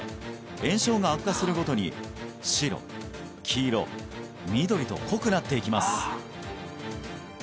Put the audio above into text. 炎症が悪化するごとに白黄色緑と濃くなっていきます